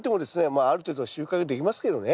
まあある程度は収穫できますけどね。